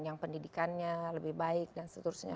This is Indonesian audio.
yang pendidikannya lebih baik dan seterusnya